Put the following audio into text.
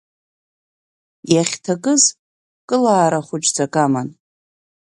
Иахьҭакыз кылаара хәыҷӡак аман.